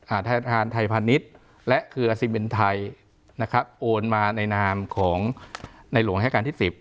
อาทธานไทยพาณิชย์และคืออาศิเบนไทยโอนมาในนามของในหลวงอาชารการที่๑๐